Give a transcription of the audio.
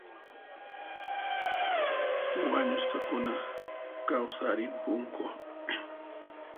Wañusqakuna kawsarimpunku